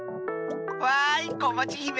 わいこまちひめ。